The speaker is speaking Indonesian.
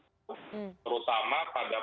terutama pada persidangan yang sudah dikirimkan